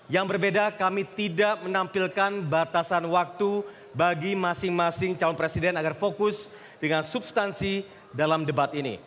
yang berbeda kami tidak menampilkan batasan waktu bagi masing masing calon presiden agar fokus dengan substansi dalam debat ini